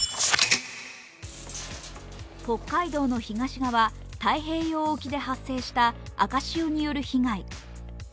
北海道の東側、太平洋沖で発生した赤潮による被害。